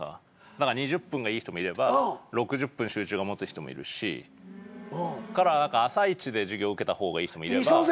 ２０分がいい人もいれば６０分集中が持つ人もいるし朝一で授業受けた方がいい人もいれば。